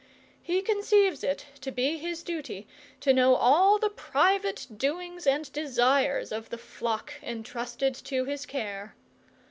He conceives it to be his duty to know all the private doings and desires of the flock entrusted to his care.